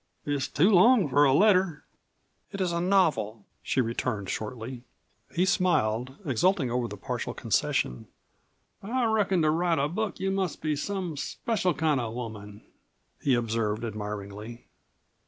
It's too long for a letter." "It is a novel," she returned shortly. He smiled, exulting over this partial concession. "I reckon to write a book you must be some special kind of a woman," he observed admiringly.